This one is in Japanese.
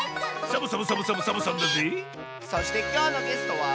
そしてきょうのゲストは。